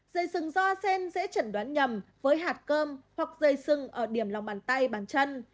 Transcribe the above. dây sừng do sen dễ chẩn đoán nhầm với hạt cơm hoặc dây sừng ở điểm lòng bàn tay bàn chân